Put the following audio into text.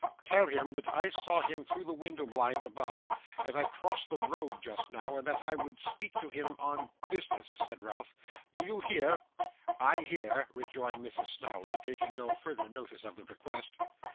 'Tell him that I saw him through the window blind above, as I crossed the road just now, and that I would speak to him on business,' said Ralph. 'Do you hear?' 'I hear,' rejoined Mrs. Snawley, taking no further notice of the request.